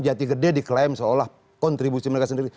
jati gede diklaim seolah kontribusi mereka sendiri